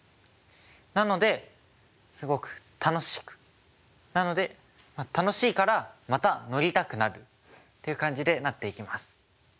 なのですごく楽しくなので楽しいからまた乗りたくなるっていう感じでなっていきます。